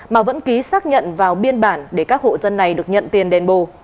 mà vẫn ký xác nhận vào biên bản để các hộ dân này được nhận tiền đền bù